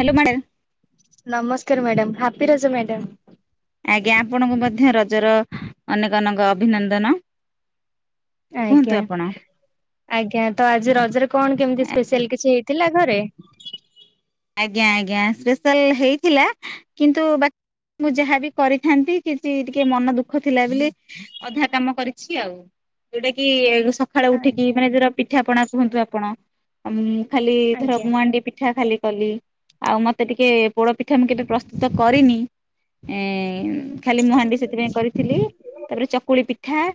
Hello [unintelligible] ନମସ୍କାର madam happy Raja madam. ଆଜ୍ଞା ଆପଣଙ୍କୁ ମଧ୍ୟ ରଜର ଅନେକ ଅନେକ ଅଭିନନ୍ଦନ। କୁହନ୍ତୁ ଆଜ୍ଞା। ଆପଣ। ଆଜ୍ଞା ତ ଆଜି ରଜରେ କଣ କେମିତି ସ୍ପସିଆଲ କିଛି ହେଇଥିଲା ଘରେ? ଆଜ୍ଞା ଆଜ୍ଞା ସ୍ପେଶାଲ ହେଇଥିଲା କିନ୍ତୁ ବା ମୁଁ ଯାହାବି କରିଥାନ୍ତି କିଛି ଟିକେ ମନ ଦୁଃଖ ଥିଲା ବୋଲି ଅଧା କାମ କରିଛି ଆଉ ଯୋଉଟାକି ସଖାଳ ଉଠିକି ଆଜ୍ଞା ମାନେ ଧର ପିଠା ପଣା କୁହନ୍ତୁ ଆପଣ ଖାଲି ଧର ଆଜ୍ଞା ମୁଆଣ୍ଡି ପିଠା ଖାଲି କଲି ଆଉ ମତେ ଟିକେ ପୋଡ଼ ପିଠା ମୁଁ କେବେ ପ୍ରସ୍ତୁତ କରିନି ଏ ଖାଲି ମୁହାଣ୍ଡି ସେଥିପାଇଁ କରିଥିଲି ତାପରେ ଚକୁଳି ପିଠା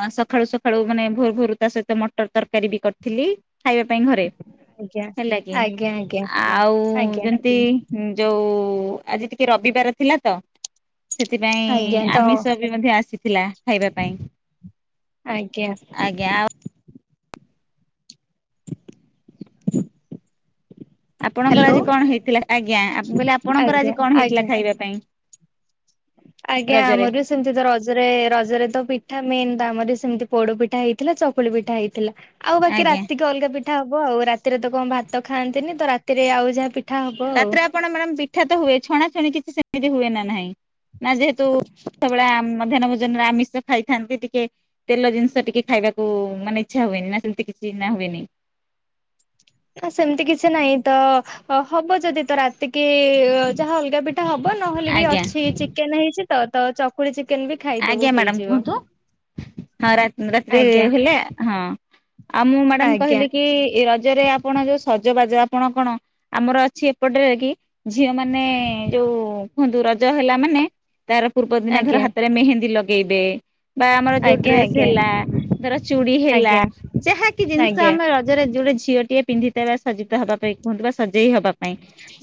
ଅ ସଖାଳୁ ସଖାଳୁ ମାନେ ଭୋର ଭୋରୁ ତାସହିତ ମଟର ତରକାରୀବି କରିଥିଲି ଖାଇବା ପାଇଁ ଘରେ ଆଜ୍ଞା ହେଲାକି ଆଜ୍ଞା ଆଜ୍ଞା ଆଉ ଆଜ୍ଞା ଯେମିତି ଯୋଉ ଆଜି ଟିକେ ରବିବାର ଥିଲାତ ସେଥିପାଇଁ ଆଜ୍ଞା ତ ଆମିଷବି ମଧ୍ୟ ଆସିଥିଲା ଖାଇବା ପାଇଁ ଆଜ୍ଞା। ଆଜ୍ଞା ଆଉ ଆପଣଙ୍କର ହ୍ୟାଲୋ ଆଜି କଣ ହେଇଥିଲା ଆଜ୍ଞା ଆ ମୁଁ କହିଲି ଆପଣଙ୍କର ଆଜ୍ଞା ଆଜି କଣ ହେଇଥିଲା ଆଜ୍ଞା ଖାଇବା ପାଇଁ? ଆଜ୍ଞା ରଜରେ ଆମର ସେମିତିତ ରଜରେ ରଜରେତ ପିଠା ମେନ୍ ତ ଆମର ସେମିତି ପୋଡ଼ ପିଠା ହେଇଥିଲା ଚକୁଳି ପିଠା ହେଇଥିଲା ଆଉ ବାକି ଆଜ୍ଞା। ରାତିକି ଅଲଗା ପିଠା ହବ ଆଉ ରାତିରେତ କଣ ଭାତ ଖାଆନ୍ତିନି ତରାତିରେ ଆଉ ଯାହାପି ରାତିରେ ଆପଣ ମ୍ୟାଡ଼ାମ ପିଠାତ ହୁଏ ଛଣାଛୁଣି କିଛି ସେମିତି ହୁଏନା ନାହିଁ? ନା ଯେହେତୁ ସେତବେଳେ ମଧ୍ୟାହ୍ନ ଭୋଜନରେ ଆମିଷ ଖାଇଥାନ୍ତି ଟିକେ ତେଲ ଜିନିଷ ଟିକେ ଖାଇବାକୁ ମାନେ ଇଚ୍ଛା ହୁଏନି ନା ସେମିତି କିଛି ନା ହୁଏନି? ନା ସେମିତି କିଛି ନାହିଁ ତ ଅ ହବ ଯଦି ତରାତିକି ଯାହା ଅଲଗା ପିଠା ହବ ନହେଲେବି ଆଜ୍ଞା ଅଛି ଚିକେନ ହେଇଛିତ ତଚକୁଳି ଚିକେନବି ଖାଇଦବୁ ଆଜ୍ଞା ମ୍ୟାଡାମ ହେଇଯିବ। କୁହନ୍ତୁ ହଁ ରାତି ରାତିରେ ଆଜ୍ଞା ହେଲେ ହଁ ଆଉ ମୁଁ ମ୍ୟାଡ଼ାମ୍ ଆଜ୍ଞା କହିଲିକି ଏ ରା ରଜରେ ଆପଣ ଯୋଉ ସଜବାଜ ଆପଣ କଣ ଆମର ଅଛି ଏପଟରେକି ଝିଅ ମାନେ ଯୋଉ କୁହନ୍ତୁ ରଜ ହେଲା ମାନେ ତାର ପୂର୍ବ ଦିନ ଧର ହାତରେ ମେହେନ୍ଦୀ ଲଗେଇବେ ବା ଆମର ଯୋଉ ଆଜ୍ଞା ଡ୍ରେସ୍ ଆଜ୍ଞା ହେଲା ଧର ଚୁଡ଼ି ହେଲା ଆଜ୍ଞା ଯାହାକି ଜିନିଷ ଆଜ୍ଞା ଆମେ ରଜ ଜରେ ଯୋଉଟେ ଝିଅଟିଏ ପିନ୍ଧଥିବା ସଜିତ ହେବା ପାଇଁ କୁହନ୍ତୁ ବା ସଜେଇ ହବା ପାଇଁ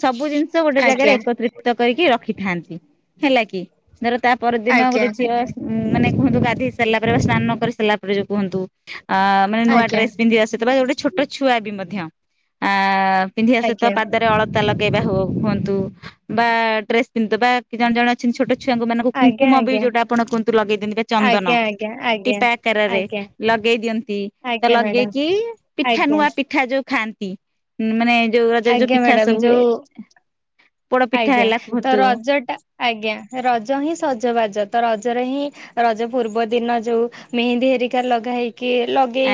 ସବୁ ଜିନିଷ ଗୋଟେ ଆଜ୍ଞା ଜାଗାରେ ଏକତ୍ରିତ କରିକି ରଖିଥାନ୍ତି। ହେଲାକି ଧର ତାପର ଦିନ ଗୋଟେ ଆଜ୍ଞା ଝିଅ ମାନେ କୁହନ୍ତୁ ଗାଧେଇ ସାରିଲା ପରେ ବା ସ୍ନାନ କରିସାରିଲା ପରେ ଯଉ କୁହନ୍ତୁ ଆ ମାନେ ନୂଆ ଡ୍ରେସ୍ ପିନ୍ଧି ଆସୁଥିବା ଗୋଟେ ଛୋଟ ଛୁଆବି ମଧ୍ୟ ଆଁ ପିନ୍ଧି ଆସୁ ଆଜ୍ଞା ତାପାଦ ଅଳତା ଲଗେଇବା ହୋଉ ହୁଅନ୍ତୁ ବା ଡ୍ରେସ୍ ପିନ୍ଧବା ଜଣେ ଜଣେ ଅଛନ୍ତି ଛୋଟ ଛୁଆଙ୍କ ମାନଙ୍କୁ ଆଜ୍ଞା ଆଜ୍ଞା ଆଜ୍ଞା କୁଙ୍କୁମବି ଯୋଉଟା ଆପଣ କୁହନ୍ତୁ ଲଗେଇ ଦିଅନ୍ତି ବା ଚନ୍ଦନ ଆଜ୍ଞା ଆଜ୍ଞା ଆଜ୍ଞା ଆଜ୍ଞା ଟିପା ଆକାରରେ ଆଜ୍ଞା ଲଗେଇ ଦିଅନ୍ତି। ତ ଆଜ୍ଞା ମ୍ୟାଡାମ ଲଗେଇକି ପିଠା ଆଜ୍ଞା ନୂଆ ପିଠା ଯୋଉ ଖାଆନ୍ତି ମାନେ ଯୋଉ ରଜରେ ଯୋଉ ଆଜ୍ଞା ପିଠା ମ୍ୟାଡାମ ସବୁ ହୁଏ ଯୋଉ ପୋଡ଼ ପିଠା ଆଜ୍ଞା ହେଲା ତ କୁହନ୍ତୁ ରଜ ଟା ଆଜ୍ଞା ରଜହିଁ ସଜବାଜ ତରଜରେ ହିଁ ରଜ ପୂର୍ବ ଦିନ ଯୋଉ ମେହେନ୍ଦୀ ହେରିକା ଲଗା ହେଇ କି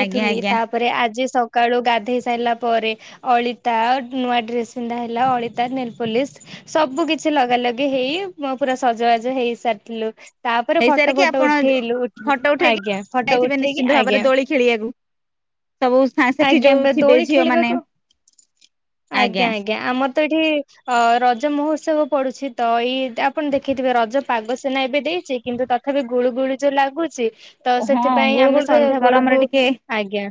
ଆଜ୍ଞା ଆଜ୍ଞା ତାପରେ ଆଜି ସକାଳୁ ଗାଧେଇ ସାରିଲା ପରେ ଅଳି ତା ନୂଆ ଡ୍ରେସ୍ ପିନ୍ଧା ହେଲା ଅଳିତା ନେଲ୍ ପୋଲିସ ସବୁ କିଛି ଲଗା ଲଗି ହେଇ ମ ପୁରା ସଜବାଜ ହେଇ ସାରିଥିଲୁ ତାପରେ ଫଟୋ ହେଇସାରିକି ଫଟୋ ଆପଣ ଉଠେଇଲୁ ଉୁ ଫଟୋ ଉଠେଇକି ଆଜ୍ଞା ଫଟୋ ଯାଇଥିବେ ଉଠେଇକି ନିଶ୍ଚିନ୍ତ ଭାବରେ ଆଜ୍ଞା। ଦୋଳି ଖେଳିବାକୁ ସବୁ ସା ସେଠି ଆଜ୍ଞା ଯୋଉ ଥିବେ ଦୋଳି ଝିଅ ମାନେ ଖେଳିବାକୁ ଆଜ୍ଞା ଆଜ୍ଞା ଆମରତ ଏଇଠି ଅ ରଜ ମହୋତ୍ସବ ପଡୁଛିତ ଏଇ ଆପଣ ଦେଖିଥିବେ ରଜ ପାଗ ସୀନା ଏବେ ଦେଇଛି କିନ୍ତୁ ତଥାପି ଗୁଳୁ ଗୁଳିୁ ଯୋଉ ଲାଗୁଛି। ତ ହଁ ସେଥିପାଇଁ ଗୁଳୁ ଆମେ ଗୁଳିରେ ସନ୍ଧ୍ୟା ଗରମରେ ବେଳକୁ ଟିକେ ଆଜ୍ଞା।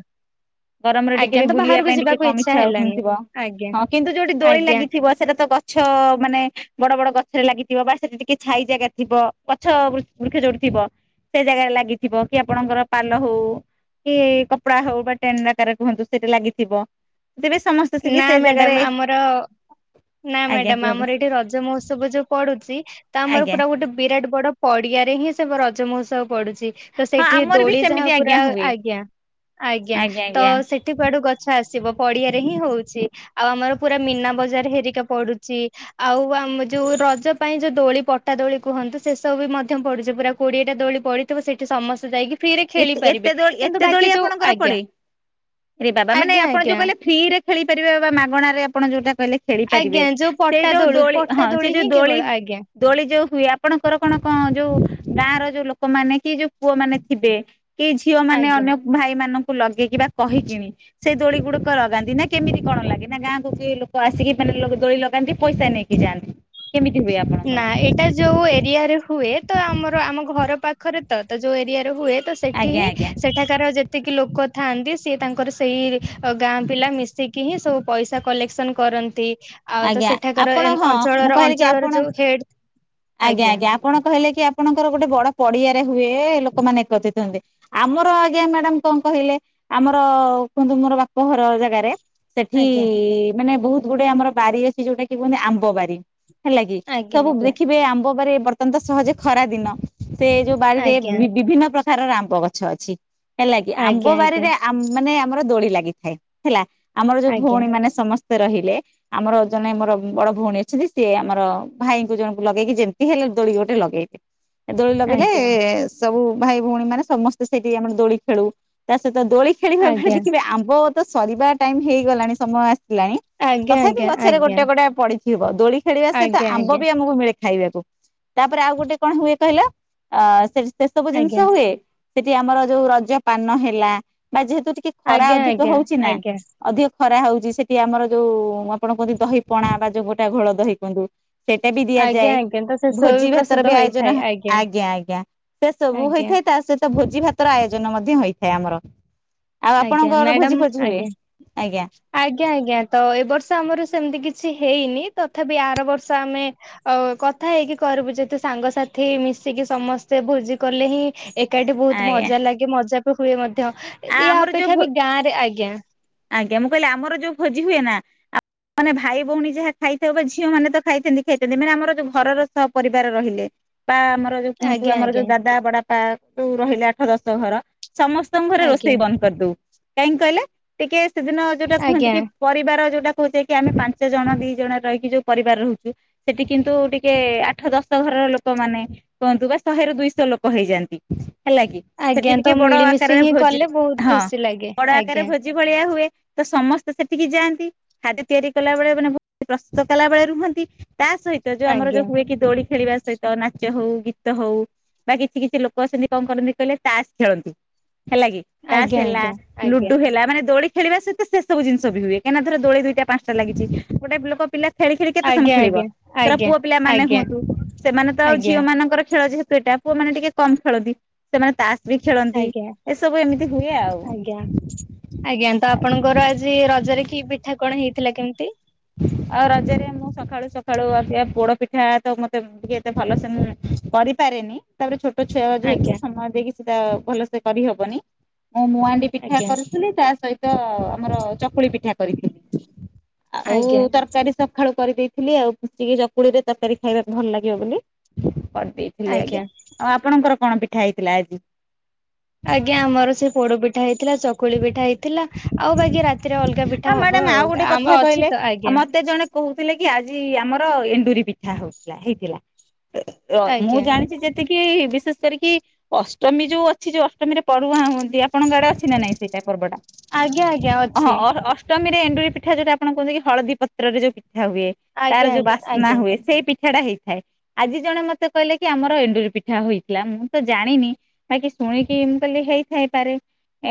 ଗରମରେ ଟିକେ ଆଜ୍ଞା ବି ତ ବୁଲିବା ବାହାରକୁ ପାଇଁ ଟିକେ ଯିବାକୁ କମ ଇଚ୍ଛା ହେଲାନି ହଉଥିବ ଆଜ୍ଞା ହଁ କିନ୍ତୁ ଯୋଉଠି ଦୋଳି ଆଜ୍ଞା ଲାଗିଥିବ। ପଛରେ ତ ଗଛ ମାନେ ବଡ ବଡ ଗଛରେ ଲାଗିଥିବ ବା ସେଠି ଟିକେ ଛାଇ ଜାଗା ଥିବ ଗଛ ବୃକ୍ଷ ଯୋଉଠିଥିବ। ସେ ଜାଗାରେ ଲାଗିଥିବ କି ଆପଣଙ୍କର ପାଲ ହଉ କି କପଡା ହଉ ବା [unintelligible] କୁହନ୍ତୁ ସେଇଟା ଲାଗିଥିବ ତବେ ସମସ୍ତେ ଆସିକି ନା ସେ ଆମେ ଜାଗାରେ ଆମର ନା ଆଜ୍ଞା ମ୍ୟାଡମ କୁହନ୍ତୁ ଆମର ଏଠି ରଜ ମହୋତ୍ସବ ଯୋଉ ପଡୁଛି ତା ଆମର ଆଜ୍ଞା ପୁରା ଗୋଟେ ବିରାଟ ବଡ ପଡିଆରେ ହିଁ ସେ ରଜ ମହୋତ୍ସବ ପଡୁଛି। ତ ହଁ ସେଇଠି ଆମର ବି ଦୋଳି ଯାହା ସେମିତି ପୁରା ଆଜ୍ଞା ହୁଏ। ଆଜ୍ଞା ଆଜ୍ଞା ତ ସେ ଏଠି କୁଆଡୁ ଗଛ ଆସିବ ପଡିଆରେ ହିଁ ହଉଛି ଆଉ ଆମର ପୁରା ମୀନା ବଜାର ହେରିକା ପଡୁଛି। ଆଉ ଆମ ଯୋଉ ରଜ ପାଇଁ ଯୋଉ ଦୋଳି ପଟା ଦୋଳି କୁହନ୍ତୁ ସେସବୁ ବି ମଧ୍ୟ ପଡୁଛି ପୁରା କୋଡିଏଟା ଦୋଳି ପଡି ସେଠି ସମସ୍ତେ ଯାଇକି ଫ୍ରିରେ ଖେଳି ଏତେ ଏତେ ପାରିବେ ଦୋଳି କିନ୍ତୁ ଏତେ ଦୋଳି ବାକି ଯୋଉ ଆପଣଙ୍କର ଆଜ୍ଞା। ପଡେ? ରେ ବାବା ମାନେ ଆଜ୍ଞା ଆପଣ ଯୋଉ ଆଜ୍ଞା କହିଲେ ଫ୍ରି ରେ ଖେଳିପାରିବେ ବା ମାଗଣାରେ ଆପଣ ଯୋଉଟା କହିଲେ। ଖେଳି ପାରିବେ ଆଜ୍ଞା ଯୋଉ ସେ ପଟା ଯୋଉ ଦୋଳି ପଟା ହଁ ସେ ଯୋଉ ହିଁ କେବଳ ଦୋଳି ଆଜ୍ଞା ଦୋଳି ଯୋଉ ହୁଏ ଆପଣଙ୍କର କଣ କଣ ଯୋଉ ଗାଁ ର ଯୋଉ ଲୋକମାନେ କି ଯୋଉ ପୁଅ ମାନେ ଥିବେ କି ଝିଅ ମାନେ ଆଜ୍ଞା। ଅନ୍ୟ ଭାଇ ମାନଙ୍କୁ ଲଗେଇକି ବା କହିକିଣି। ସେଇ ଦୋଳି ଗୁଡିକ ଲଗାନ୍ତି ନା କେମିତି କଣ ଲାଗେ ନା ଗାଁକୁ କିଏ ଲୋକ ଆସିକି ମାନେ ଦୋଳି ଲଗାନ୍ତି ପଇସା ନେଇ କି ଯାଆନ୍ତି। କେମିତି ହୁଏ ଆପଣଙ୍କର ନା ଇ। ଏଇଟା ଯୋଉ ଏରିଆରେ ହୁଏ ତ ଆମର ଆମ ଘର ପାଖରେ ତ ଯୋଉ ଏରିଆରେ ହୁଏ ତ ସେଠି ଆଜ୍ଞା ହିଁ ଆଜ୍ଞା ସେଟା ତାର ଯେତିକି ଲୋକ ଥାଆନ୍ତି ସିଏ ତାଙ୍କର ସେଇ ଗାଁ ପିଲା ମିଶିକି ହିଁ ସବୁ ପଇସା କଲେକ୍ସନ କରନ୍ତି ଆଉ ତ ଆଜ୍ଞା ସେଠାକାର ଆପଣ ହଁ ମୁଁ ଅଞ୍ଚଳର କହିଲି କି ଅଞ୍ଚଳର ଆପଣ ଯୋଉ ହେଡ ଆଜ୍ଞା ଆଜ୍ଞା ଆପଣ କହିଲେ କି ଆପଣଙ୍କର ଗୋଟେ ବଡ ପଡିଆରେ ହୁଏ, ଲୋକମାନେ ଏକତ୍ରିତ ହୁଏ। ଆମର ଆଜ୍ଞା ମ୍ୟାଡମ କଣ କହିଲେ ଆମର କୁହନ୍ତୁ ମୋର ବାପଘର ଜାଗାରେ ସେଠି ଆଜ୍ଞା ମାନେ ବହୁତ ଗୁଡେ ଆମର ବାରି ଅଛି ଯୋଉଟା କି କୁହନ୍ତି ଆମ୍ବ ବାରି। ହେଲା କି ଆଜ୍ଞା ସବୁ ଦେଖିବେ ଆମ୍ବ ବାରେ ବର୍ତ୍ତମାନ ତ ସହଯେ ଖରା ଦିନ। ସେ ଯୋଉ ବାଡିରେ ଆଜ୍ଞା ବିଭିନ୍ନ ପ୍ରକାର ର ଆମ୍ୱ ଗଛ ଅଛି। ହେଲା କିି ଆମ୍ବ ଆଜ୍ଞା ବାରିରେ ମାନେ ଆମର ଦୋଳି ଲାଗିଥାଏ ହେଲା। ଆମର ଯୋଉ ଆଜ୍ଞା ଭଉଣୀ ମାନେ ସମସ୍ତେ ରହିଲେ ଆମର ଜଣେ ମୋର ବଡ ଭଉଣୀ ଅଛନ୍ତି ସିଏ ଆମର ଭାଇଙ୍କୁ ଜ ଲଗେଇକି ଯେମିତି ହେଲେ ଦୋଳି ଗୋଟେ ଲଗେଇବେ। ଦୋଳି ଲଗେଇଲେ ଆଜ୍ଞା ସବୁ ଭାଇ ଭଉଣୀ ମାନେ ସମସ୍ତେ ସେଇଠି ଆମର ଦୋଳି ଖେଳୁ। ତା ସହିତ ଦୋଳି ଖେଳିବେ ଆଜ୍ଞା ବୋଲି କିରୀ ଆମ୍ବ ତ ସରିବା ଟାଇମ ହେଇଗଲାଣି ସମୟ ଆସିଲାଣି ତଥାପି ଆଜ୍ଞା ଆଜ୍ଞା ଗଛରେ ଆଜ୍ଞା ଗୋଟେ ଗୋଟେ ପଡି ଥିବ, ଦୋଳି ଖେଳିବା ସହିତ ଆଜ୍ଞା ଆମ୍ବ ବି ଆମକୁ ମିଳେ। ଖାଇବାକୁ ତାପରେ ଆଉ ଗୋଟେ କଣ ହୁଏ କହିଲ ଅ ସେ ସେ ସବୁ ଜିନିଷ ଆଜ୍ଞା ହୁଏ। ସେଠି ଆମର ଯୋଉ ରଜ ପାନ ହେଲା ବା ଯେହେତୁ ଟିକେ ଆଜ୍ଞା ଖରା ଆଜ୍ଞା ଅଧିକ ହଉଛି ନା ଅଧିକ ଖରା ହଉଛି ସେଠି ଆମର ଯୋଉ ଆପଣ କୁହନ୍ତି ଦହି ପଣା ବା ଯୋଉ ଗୋଟା ଘୋଳ ଦହି କୁହନ୍ତୀ, ସେଇଟା ବି ଆଜ୍ଞା ଆଜ୍ଞା ଆଜ୍ଞା ଆଜ୍ଞା ଯାଏ ଆଜ୍ଞା ଆଜ୍ଞା ତ ସେସବୁ ଭୋଜି ଭାତର ବି ପ୍ରସ୍ତୁତ ଆୟୋଜନ ହୋଇଥାଏ ଆଜ୍ଞା ଆଜ୍ଞା ସେ ସବୁ ଆଜ୍ଞା। ହେଥାଏ ତା ସହିତ ତ ଭୋଜି ଭାତର ଆୟୋଜନ ମଧ୍ୟ ହୋଇଇଥାଏ ଆମର। ଆଉ ଆଜ୍ଞା ଆପଣଙ୍କର ଭୋଜି ମ୍ୟାଡାମ ଭୋଜି ହୁଏ ଆଜ୍ଞା ଆଜ୍ଞା। ଆଜ୍ଞା ଆଜ୍ଞା ତ ଏ ବର୍ଷ ଆମର ସେମିତି କିଛି ହେଇନି ତଥାପି ଆର ବର୍ଷ ଆମେ ଆଉ କଥା ହେଇକି କରିବୁ ଯେତେ ସାଙ୍ଗସାଥି ମିଶିକି ସମସ୍ତେ ଭୋଜି କଲେ ହିଁ ଏକାଠି ବହୁତ ଆଜ୍ଞା ମଜା ଲାଗେ ମଜା ବି ହୁଏ ମଧ୍ୟ ଏବେ ଆ ଆମର ଯୋଉ ଅପେକ୍ଷା ବି ଗାଁ ରେ ମଧ୍ୟ ଆଜ୍ଞା। ଆଜ୍ଞା ମୁଁ କହିଲି ଆମର ଯୋଉ ଭୋଜି ହୁଏ ନା ଆ ମାନେ ଭାଇ ଭଉଣୀ ଯାହା ଖାଇଥାଉ ବା ଝିଅ ମାନେ ତ ଖାଇଥାନ୍ତି ଖାଇଥାନ୍ତି ମାନେ ଆମର ଯୋଉ ଘରର ସପରିବାର ରହିଲେ ପା ମ ଜଉ କୁହନ୍ତୁ ଆଜ୍ଞା ଆମର ଆଜ୍ଞା ଯୋଉ ଦାଦା ବଡ଼ାପା ଯୋଉ ରହିଲେ ଆଠ ଦଶ ଘର ସମସ୍ତଙ୍କ ଘରେ ରୋଷେ ଆଜ୍ଞା କରିଦବୁ କାହିଁକି କହିଲେ ଟିକେ ସେଦିନ ଯଉଟା କୁହନ୍ତି ଆଜ୍ଞା କି ପରିବାର ଯୋଉଟା କହୁଛେ କି ଆମେ ପାଞ୍ଚ ଜଣ ଦି ଜଣ ରହିକି ଯୋଉ ପରିବାର ରହୁଚୁ ସେଠି କିନ୍ତୁ ଟିକେ ଆଠ ଦଶ ଘରର ଲୋକମାନେ କୁହନ୍ତୁ ବା ଶହେରୁ ଦୁଇଶ ଲୋକ ହେଇଯାନ୍ତି ହେଲା କି ସେଠି ଆଜ୍ଞା ଟିକେ ତ ବଡ ମିଳିମିଶି ଆକାରରେ ହିଁ ଭୋଜି କଲେ ବହୁତ ହଁ ଖୁସି ଲାଗେ ବଡ ଆକାରରେ ଆଜ୍ଞା ଭୋଜି ଭଳିଆ ହୁଏ ତ ସମସ୍ତେ ସେଠିକି ଯାଆନ୍ତି ଖାଦ୍ୟ ତିଆରି କଲାବେଳେ ମାନେ ପ୍ରସ୍ତୁତ କଲାବେଳେ ରୁହନ୍ତି ତା ସହି ତ ଯଉ ଆମର ଆଜ୍ଞା ଯଉ ହୁଏକି ଦୋଳି ଖେଳିବା ସହିତ ତ ନାଚ ହଉ ଗୀତ ହଉ ବା କିଛି କିଛି ଲୋକ ଅଛନ୍ତି କଣ କରନ୍ତି କହିଲେ ତାସ ଖେଳନ୍ତି। ହେଲା କି ତାସ ଆଜ୍ଞା ହେଲା ଆଜ୍ଞା ଲୁଡୁ ହେଲା ମାନେ ଦୋଳି ଖେଳିବା ସହିତ ସେସବୁ ଜିନିଷ ବି ହୁଏ କାଁଇନା ଧର ଦୋଳି ଦୁଇଟା ପାଂସଟା ଲାଗିଚି ଗୋଟେ ଲୋକ ପିଲା ଖେଳି ଖେଳି କେତେ ସମୟ ଆଜ୍ଞା ଆଜ୍ଞା ଖେଳିବ? ଧର ଆଜ୍ଞା ପୁଅ ପିଲା ମାନେ ଆଜ୍ଞା ହୁଅନ୍ତୁ ସେମାନେ ତ ଆଉ ଝିଅ ଆଜ୍ଞା ମାନଙ୍କର ଖେଳ ଯେହେତୁ ଏଇଟା ପୁଅମାନେ ଟିକେ କମ ଖେଳନ୍ତି ସେମାନେ ତାସ ବି ଆଜ୍ଞା ଖେଳନ୍ତି ଆଜ୍ଞା ଏସବୁ ଏମିତି ହୁଏ ଆଉ। ଆଜ୍ଞା। ଆଜ୍ଞା ତ ଆପଣଙ୍କର ଆଜି ରଜରେ କି ପିଠା କଣ ହେଇଥିଲା କେମତି? ଆଉ ରଜରେ ମୁଁ ସଖାଳୁ ସଖାଳୁ ଆ ସି ଆ ପୋଡ ପିଠା ତ ମତେ ଟିକେ ଏତେ ଭଲ ସେ ମୁଁ କରିପାରେନି। ତାପରେ ଛୋଟ ଛୁଆ ଯେହେତୁ ଆଜ୍ଞା ସମୟ ଦେଇକି ସେଟା ଭଲସେ କରିହବନି ମୋ ମୁଁଆ ପିଠା ଆଜ୍ଞା କରିଥିଲି ତା ସହିତ ଆମର ଚକୁଳି ପିଠା କରିଥିଲି। [inaudible] ଆଉ ଆଜ୍ଞା ତରକାରୀ ସଖାଳୁ କରିଦେଇଥିଲି ଆଉ ପୁଚୁକି ଚକୁଳି ରେ ତରକାରୀ ଖାଇବାକୁ ଭଲ ଲାଗିବ ବୋଲି କରିଦେଇ ଥିଲି ଆଜ୍ଞା ଆଉ ଆପଣଙ୍କର କଣ ପିଠା ହେଇଥିଲା ଆଜି? ଆଜ୍ଞା ଆମର ସେଇ ପୋଡ ପିଠା ହେଇଥିଲା ଚକ କୁଳି ପିଠା ହେଇଥିଲା ଆଉ ବାକି ରାତିରେ ଅଲଗା ପିଠା ମ୍ୟାଡାମ ହବ ଆଉ ଗୋଟେ କଥା ଆମ କହିଲେ। ଅଛି ତ ଆଉ ଆଜ୍ଞା। ମତେ ଜଣେ କହୁଥିଲେ କି ଆଜି ଆମର ଏଣ୍ଡୁରି ପିଠା ହଉଥିଲା ହେଇଥିଲା। ର ମୁଁ ଆଜ୍ଞା ଜାଣିଛି ଯେତିକି କି ବିଶେଷ କରିକି ଅଷ୍ଟମୀ ଯୋଉ ଅଛି ଯୋଉ ଅଷ୍ଟମୀରେ ପଢୁଆ ହୁଅନ୍ତି ଆପଣଙ୍କ ଆଡେ ଅଛି ନା ନାଇଁ? ସେଇଟା ପର୍ବଟା ଆଜ୍ଞା ଆଜ୍ଞା ଅହଁ ଅଛି ଅ ସ ଅଷ୍ଟମିରେ ଏଣ୍ଡୁରି ପିଠା ଯୋଉ ଟା ଆପଣ କୁହନ୍ତିକି ହଳଦୀ ପତ୍ରରେ ଯୋଉ ପିଠା ହୁଏ। ତାର ଆଜ୍ଞା ଯୋଉ ଆଜ୍ଞା ବାସ୍ନା ଆଜ୍ଞା। ହୁଏ ସେଇ ପିଠା ଟା ହେଇଥାଏ। ଆଜି ଜଣେ ମତେ କହିଲେ କି ଆମର ଏଣ୍ଡୁରି ପିଠା ହୋଇଥିଲା ମୁଁ ତ ଜାଣିନି ବାକି ଶୁଣିକି ମୁଁ କହିଲି ହେଇଥାଇପାରେ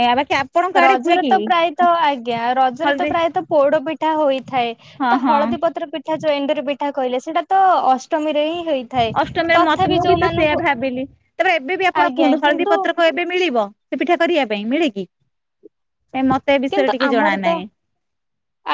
ଏ ଆ ବାକି ଆପଣଙ୍କ ଆଡେ ହୁଏ ରଜରେ କି? ତ ପ୍ରାୟତ ଆଜ୍ଞା ରଜରେ ତ ହଳଦୀ ପ୍ରାୟତ ପୋଡ ପିଠା ହୋଇଥାଏ ହଁ ତ ହଁ ହଳଦୀ ପତ୍ର ପି ପିଠା ଯୋଉ ଏଣ୍ଡୁରି ପିଠା କହିଲେ ସେଟାତ ଅଷ୍ଟମୀରେ ହିଁ ହେଇ ଅଷ୍ଟମୀରେ ମତେ ମୁଁ ବି ତ ସେୟଆ ଭାବିଲି ତାପରେ ଏବେ ବି ଆପଣ ଆଜ୍ଞା କୁହନ୍ତୁ ହଳଦୀ କିନ୍ତୁ ପତ୍ର କହି ଏବେ ମିଳିବ ସେ ପିଠା କରିବା ପାଇଁ ମିଳେ କିି କାଇଁ ମତେ ଏ ବିଷୟରେ କିନ୍ତୁ ଟିକେ ଜଣା ଆମର ତ ନାଇ।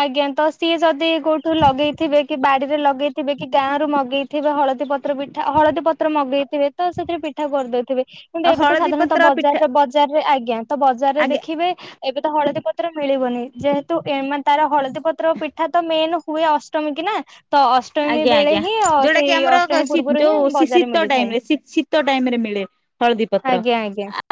ଆଜ୍ଞା ତ ସିଏ ଯଦି କୋଉଠୁ ଲଗେଇଥିବେ କି ବାଡିରେ ଲଗେଇଥିବେ କି ଗାଁରୁ ମଗେଇ ଥିବେ ହଳଦୀ ପତ୍ର ପିଠା ହଳଦୀ ପତ୍ର ମଗେଇଥିବେ ତ ସେଥିରେ ପିଠା କରିଦଉଥିବେ। କିନ୍ତୁ ଆଉ ଏବେ ତ ହଳଦୀ ସାଧାରଣତଃ ପତ୍ର ପିଠା ବଜାର ବଜାରରେ ଆଜ୍ଞା ତ ବଜାରରେ ଆଜ୍ଞା ଦେଖିବେ ଏବେ ତ ହଳଦୀ ପତ୍ର ମିଳିବନି। ଯେହେତୁ ଏ ମାନେ ତାର ହଳଦୀ ପତ୍ର ପିଠା ତ ମେନ ହୁଏ ଅଷ୍ଟମୀ କି ନା ତ ଅଷ୍ଟମୀ ଆଜ୍ଞା ବେଳେ ଆଜ୍ଞା ହିଁ ଯଉଟା ସେଇ କି ଆମର ଅଷ୍ଟମୀ ସି ପୂର୍ବରୁ ହିଁ ଯଉ ସିଶି ବଜାରରେ ଶୀତ ମିଳିଥାଏ ଟାଇମ ରେ ଶୀତ ଟାଇମରେ ମିଳେ। ହଳଦୀ ପତ୍ର ଆଜ୍ଞା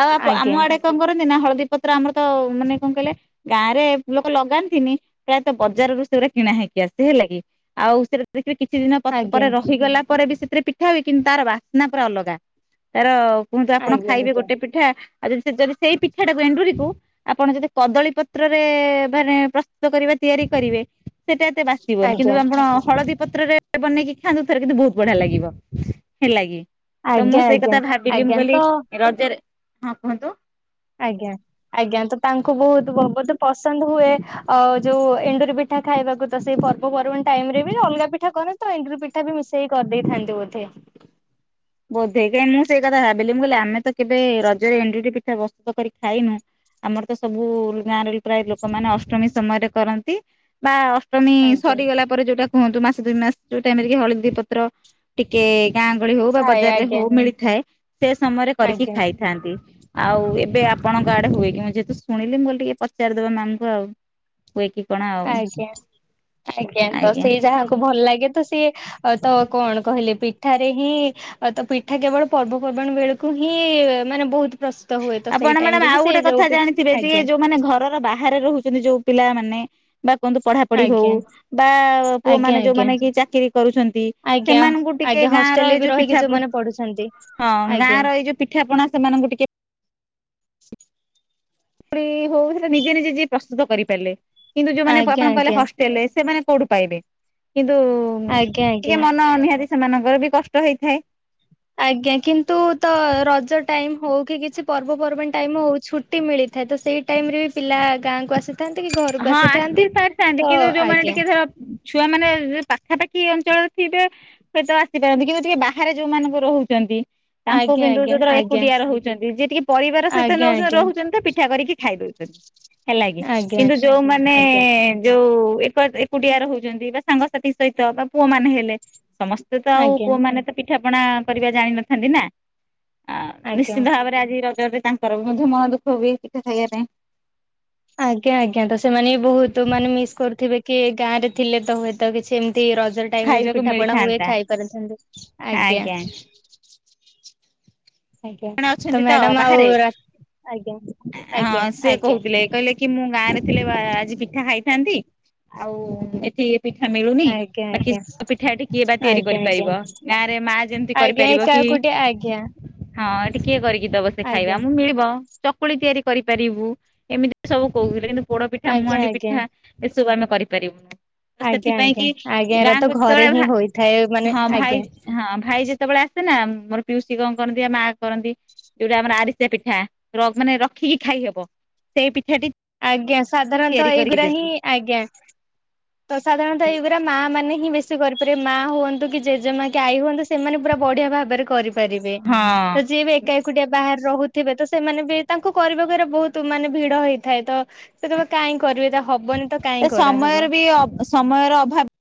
ଆଉ ଆପ ଆମ ଆଜ୍ଞା ଆଡେ କଣ କରନ୍ତି ନା ହଳଦୀ ପତ୍ର ଆମର ତ ମାନେ କଣ କହିଲେ ଗାଁ ରେ ଲୋକ ଲଗାନ୍ତିନି। ପ୍ରାୟତଃ ବଜାରରୁୁ ସେଗୁଡା କିଣା ହେଇକି ଆସେ ହେଲା କି ଆଉ ସେଟା ଦେଖିବେ କିଛି ଦିନ ପ ଆଜ୍ଞା ପରେ ରହିଗଲା ପରେ ବି ସେଥିରେ ପିଠା ହୁଏ କିନ୍ତୁ ତାର ବାସ୍ନା ପୁରା ଅଲଗା ତାର କୁହନ୍ତୁ ଆଜ୍ଞା ଆପଣ ଖାଇବେ ଆଜ୍ଞା ଗୋଟେ ପିଠା ଆଉ ଯଦି ଯଦି ସେଇ ପିଠା ଟାକୁ ଏଣ୍ଡୁରିକୁ ଆପଣ ଯଦି କଦଳୀ ପତ୍ରରେ ମାନେ ପ୍ରସ୍ତୁତ କରିବେ ତିଆରି କରିବେ ସେଟା ଏତେ ବାସିବନି ଆଜ୍ଞା ଆଜ୍ଞା କିନ୍ତୁ ଆପଣ ହଳଦୀ ପତ୍ରରେ ବନେଇକି ଖାଆନ୍ତୁ ଥରେ କିନ୍ତୁ ବହୁତ ବଢିଆ ଲାଗିବ ହେଲା କି। ତ ମୁଁ ଆଜ୍ଞା ଆଜ୍ଞା ସେଇ କଥା ଭାବିଲି ବୋଲି ମୁଁ ଆଜ୍ଞା ତ କହିଲି ରଜରେ ହଁ କୁହନ୍ତୁ? ଆଜ୍ଞା ଆଜ୍ଞା ତ ତାଙ୍କୁ ବହୁତ ବ ବୋଧେ ପସନ୍ଦ ହୁଏ ଅ ଯୋଉ ଏଣ୍ଡୁରି ପି ପିଠା ଖାଇବାକୁ ତ ସେଇ ପର୍ବ ପର୍ବାଣି ଟାଇମ ରେ ବି ଅଲଗା ପିଠା କରେ ତ ଏଣ୍ଡୁରି ପିଠା ବି ମିଶେଇ କରି ଦେଇେଇଥାନ୍ତି ବୋଧେ? ବୋଧେ କାହିଁ ମୁଁ ସେଇ କଥା ଭାବିଲି ମୁଁ କହିଲି ଆମେ ତ କେବେ ରଜରେ ଏଣ୍ଡୁରି ଟି ପିଠା ପ୍ରସ୍ତୁତ କରି ଖାଇନୁ। ଆମର ତ ସବୁ ଗାଁରେ ପ୍ରାୟ ଲୋକମାନେ ଅଷ୍ଟମୀ ସମୟରେ କରନ୍ତି। ବା ଅଷ୍ଟମୀ ଆଜ୍ଞା ସରିଗଲା ପରେ ଯୋଉଟା କୁହନ୍ତୁ ମାସ ଦୁଇ ମାସ ଯୋଉ ଟାଇମି ରେ କି ହଳଦୀ ପତ୍ର ଟିକେ ଗାଁ ଗହଳି ହଉ ବା ଥାଏ ବଜାରରେ ଆଜ୍ଞା ହଉ ମିଳିଥାଏ ସେ ସମୟରେ କରିକି ଆଜ୍ଞା ଖାଏ ଥାନ୍ତି ଆଉ ଏବେ ଆପଣଙ୍କ ଆଡେ ହୁଏ କି ମୁଁ ଯେହେତୁ ଶୁଣିଲି ମୁଁ ଟିକେ ପଚାରିଦବା ମ୍ୟାମ କୁ ଆଉ। ହୁଏ କି କଣ ଆଉ। ଆଜ୍ଞା ଆଜ୍ଞା ତ ସେଇ ଯାହାକୁ ଭଲ ଲାଗେ ତ ସିଏ ଆଉ ତ କଣ କହିଲେ ପିଠାରେ ହିଁ ତ ପିଠା କେବଳ ପର୍ବପର୍ବାଣୀ ବେଳକୁ ହିଁ ମାନେ ବହୁତ ପସ୍ ଆପଣ ମ୍ୟାଡାମ ଆଉ ଗୋଟେ କଥା ଜାଣିଥିବେ ଯିଏ ଆଜ୍ଞା ଯୋଉମାନେ ଘରର ବାହାରେ ରହୁ ଯଦି ଯୋଉ ପିଲା ମାନେ ବା ବନ୍ଧୁ ପଢା ପଢି ହଉ ଆଜ୍ଞା ବା ପୁଅ ଆଜ୍ଞା ମାନେ ଆଜ୍ଞା ଯୋଉମାନେ କି ଚାକିର କରୁଛନ୍ତି ଆଜ୍ଞା ସେମାନଙ୍କୁ ଟିକେ ଆଜ୍ଞା ଗାଁ ର ହଷ୍ଟେଲରେ ଏଇ ବି ଯୋଉ ରହିକି ପିଠା ପ ଯୋଉମାନେ ପଢୁଛନ୍ତି ହଁ ଗାଁ ଆଜ୍ଞା। ର ଏଇ ଯୋଉ ପିଠାପଣା ସେମାନଙ୍କୁ ଟିକେ [unintelligible] ହଉ ସେଟା ନିଜେ ନିଜେ ଯିଏ ପ୍ରସ୍ତୁତ କରିପାରିଲେ କିନ୍ତୁ ଯୋଉମାନେ ଆଜ୍ଞା ଆଜ୍ଞା ଆପଣ କହିଲେ ହସ ହେଲେ ସେମାନେ କୋଉଠୁ ପାଇବେ କିନ୍ତୁ ଆଜ୍ଞା ଆଜ୍ଞା। ଟିକେ ମନ ନିହାତି ସେମାନଙ୍କ ର ବି କଷ୍ଟ ହେଇଥାଏ। ଆଜ୍ଞା କିନ୍ତୁ ତ ରଜ ଟାଇମ୍ ହଉ କି କିଛି ପର୍ବପର୍ବାଣିୀ ଟାଇମ୍ ହଉ ଛୁ ଟି ମିଳିଥାଏ ତ ସେଇ ଟାଇମ ରେ ବି ପିଲା ଗାଁକୁ ଆସି ହଁ ଆସି ସାରିଥାନ୍ତି କିନ୍ତୁ ଯୋଉମାନେ ଆଜ୍ଞା ଟିକେ ଧର ଛୁଆ ମାନେ ପାଖାପାଖି ଅଞ୍ଚଳରେ ଥିବେ ହୁଏତ ଆସିପାରନ୍ତି କିନ୍ତୁ ଯିଏ ବାହାରେ ଯୋଉମାନଙ୍କୁ ରହୁଛନ୍ତି ତାଙ୍କୁ ଆଜ୍ଞା କିନ୍ତୁ ଆଜ୍ଞା [unintelligible] ଆଜ୍ଞା ଏକୁଟିଆ ରହୁଛନ୍ତି ଯିଏ ଟିକେ ପରିବାର ସହିତ ଆଜ୍ଞା ନଉ ଆଜ୍ଞା। ରହୁଛନ୍ତି ତ ପିଠା କରିକି ଖାଇ ଦଉଛନ୍ତି ହେଲା କି ଆଜ୍ଞା କିନ୍ତୁ ଯୋଉମାନେ ଆଜ୍ଞା ଆଜ୍ଞା ଯୋଉ ଏକ ଏକୁଟିଆ ରହୁଛନ୍ତି ବା ସାଙ୍ଗସାଥି ସହିତ ବା ପୁଅ ମାନେ ହେଲେ ସମସ୍ତେ ସେ ତ ଆଉ ପୁଅମାନେ ତ ପିଠା ପଣା କରିବା ଜାଣିିନଥାନ୍ତି ନା। ଆ ଆଜ୍ଞା। ଆଜ୍ଞା ନିଶ୍ଚିନ୍ତ ଭାବରେ ଆଜି ରଜରେ ତାଙ୍କର ବି ମଧ୍ୟ ମନ ଦୁଃଖ ହୁଏ ପିଠା ଖାଇବା ପାଇଁ। ଆଜ୍ଞା ଆଜ୍ଞା ତ ସେମାନେ ବି ବହୁତ ମାନେ ମିସ୍ କରୁଥିବେ କି ଗାଁ ରେ ଥିଲେ ତ ହୁଏତ କିଛି ଏମତି ରଜ ଟାଇମରେ ଯୁ ଖାଇବାକୁ ପିଠା ପଣା ହୁଏ ମିଳିଥାନ୍ତା ଖାଇପାରିଥାନ୍ତି। ଆଜ୍ଞା। ଆଜ୍ଞା। ଆପଣ ଅଛନ୍ତି ତ ମ୍ୟାଡାମ ଆଉ ବାହାରେ ରା ଆଜ୍ଞା ଏ ଆଜ୍ଞା ହଁ ସେ ଆଜ୍ଞା। କହୁଥିଲେ କହିଲେ କି ମୁଁ ଗାଁ ରେ ଥିଲେ ଆଜି ପିଠା ଖାଇଥାନ୍ତି ଆଉ ଏଠି ପିଠା ମିଳୁନି ଆଜ୍ଞା ବା କି ଆଜ୍ଞା ପିଠା ଟି କିଏ ବା ତିଆରି ଆଜ୍ଞା ଆଜ୍ଞା କରିପାରିବ ଗାଁ ରେ ମା ଯେମିତି ଆଜ୍ଞା କରିପାରିବ କି ଏକାକୁଟିଆ ଆଜ୍ଞା ହଁ ଏଠି କିଏ କରିକି ଦବ ସେ ଖାଇବା ଆଜ୍ଞା ଆମକୁ ମିଳିବ। ଚକୁଳି ତିଆରି କରିପାରିବୁ ଏମିତି ସବୁ କୋହୁଥୁଲେ କିନ୍ତୁ ପୋଡ ପିଠା, ଆଜ୍ଞା ମୁହାଣ୍ଡି ଆଜ୍ଞା ପିଠା ଏସବୁ ଆମେ କରିପାରିବୁନୁ। ତ ଆଜ୍ଞା ସେଥିପାଇଁ ଆଜ୍ଞା କି ଆଜ୍ଞା ଏରା ତ ଗାଁକୁ ଘରେ ଯେତେବେଳେ ହିଁ ଭା ହୋଇଥାଏ ମାନେ ହଁ ଭାଇ ଆଜ୍ଞା ହଁ ଭାଇ ଯେ ତବେଳେ ଆସେ ନା ମୋର ପିଉସୀ କଣ କରନ୍ତି ମାଆ କରନ୍ତି ଯୋଉଟା ଆମର ଆରିସା ପିଠା ର ମାନେ ରଖିକି ଖାଇହବ ସେଇ ପିଠାଟି ଆଜ୍ଞା ତିଆରି ସାଧାରଣତଃ କରିକି ଏଇଗୁରା ଦେବି ହିଁ ଆଜ୍ଞା। ତ ସାଧାରଣ ଏଇଗୁରା ମାଆମାନେ ହିଁ ବେଶୀ କରିପାରିବେ ମାଆ ହୁଅନ୍ତୁ କି ଜେଜେମା କି ଆଈ ହୁଅନ୍ତୁ ସ୍ ସେମାନେ ପୁରା ବଢିଆ ଭାବରେ କରିପାରିବେ ହଁ। ତ ଯିଏ ବି ଏ ଏକୁଟିଆ ବାହାରେ ରହୁଥିବେ ତ ସେମାନେ ବି ତାଙ୍କୁ କରିବାକୁ ଏରା ବୋହୁତ ମାନେ ଭିଡ ହେଇଥାଏ ତ ସେ କହିବେ କାଇଁ କରିବେ ଏରା ହବନି ତ କାଇଁ ସମୟର କରାହବ। ବି ସମୟର ଅଭାବ